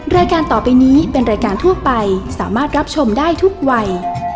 รายการต่อไปนี้เป็นรายการทั่วไปสามารถรับชมได้ทุกวัย